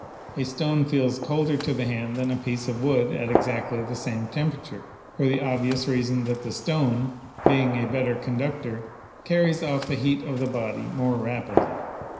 A stone feels colder to the hand than a piece of wood at exactly the same tem perature, for the obvious reason that the stone, being a better conductor, carries off the heat of the body more rapidly.